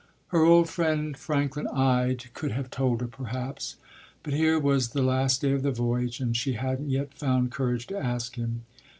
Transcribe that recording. Her old friend Franklin Ide could have told her, perhaps; but here was the last day of the voyage, and she hadn’t yet found courage to ask him.